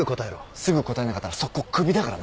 すぐ答えなかったら即行首だからな。